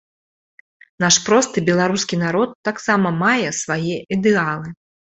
Наш просты беларускі народ таксама мае свае ідэалы.